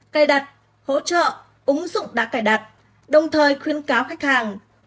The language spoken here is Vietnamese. cài đặt hỗ trợ ứng dụng đã cài đặt đồng thời khuyến cáo khách hàng